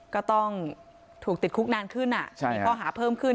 ก็ต้องถูกติดคุกนานขึ้นมีข้อหาเพิ่มขึ้น